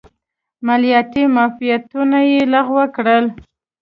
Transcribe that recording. مالیاتي معافیتونه یې لغوه کړل.